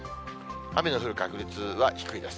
雨の降る確率は低いです。